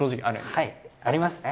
はいありますね。